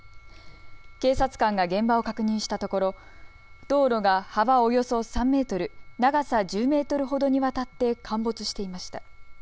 警察官が現場を確認したところ道路が幅およそ３メートル、長さ１０メートルほどにわたって陥没していました。